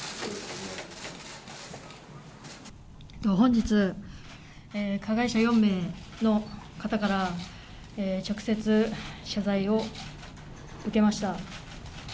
本日、加害者４名の方から、直接謝罪を受けました。